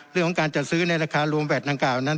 เรื่องของการจัดซื้อในราคารวมแวดดังกล่าวนั้น